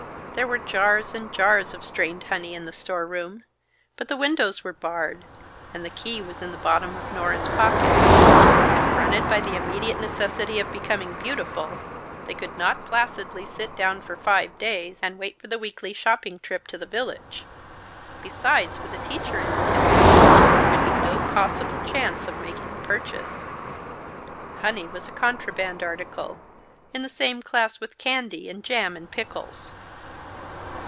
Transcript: There were jars and jars of strained honey in the storeroom; but the windows were barred, and the key was in the bottom of Nora's pocket. Confronted by the immediate necessity of becoming beautiful, they could not placidly sit down for five days, and wait for the weekly shopping trip to the village. Besides, with a teacher in attendance, there would be no possible chance of making the purchase. Honey was a contraband article, in the same class with candy and jam and pickles.